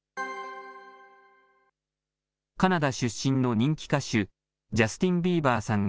カナダ出身の人気歌手、ジャスティン・ビーバーさんが、